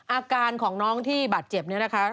อาการของน้องที่บาดเจ็บนี้นะคะ